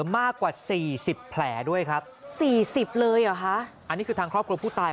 มากกว่า๔๐แผลด้วยครับ๔๐เลยอ่ะค่ะอันนี้คือทางครอบครัวผู้ตาย